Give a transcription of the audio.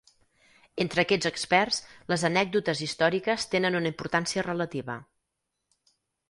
Entre aquests experts les anècdotes històriques tenen una importància relativa.